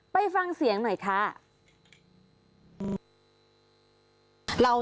ไปฟังเสียงหน่อยค่ะ